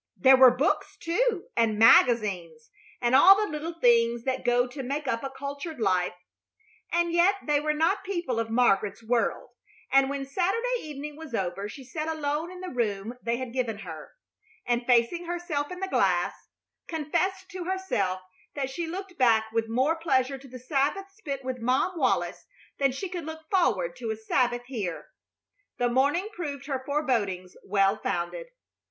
There were books, too, and magazines, and all the little things that go to make up a cultured life; and yet they were not people of Margaret's world, and when Saturday evening was over she sat alone in the room they had given her and, facing herself in the glass, confessed to herself that she looked back with more pleasure to the Sabbath spent with Mom Wallis than she could look forward to a Sabbath here. The morning proved her forebodings well founded.